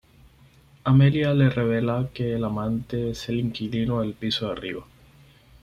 Amelia le revela que el amante es el inquilino del piso de arriba.